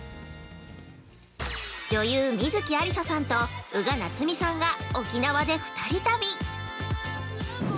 ◆女優観月ありささんと宇賀なつみさんが沖縄で２人旅。